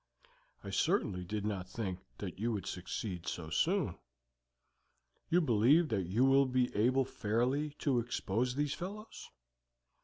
"I certainly did not think that you would succeed so soon; you believe that you will be able fairly to expose these fellows?"